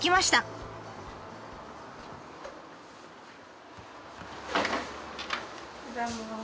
おはようございます。